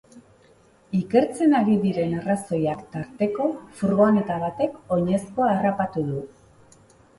Ikertzen ari diren arrazoiak tarteko, furgoneta batek oinezkoa harrapatu du.